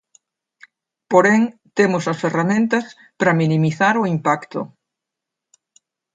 Porén, temos as ferramentas para minimizar o impacto.